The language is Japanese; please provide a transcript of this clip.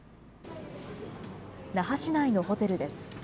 那覇市内のホテルです。